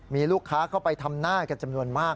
มีลูกค้าเข้าไปทำหน้ากันจำนวนมาก